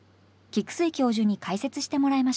菊水教授に解説してもらいましょう。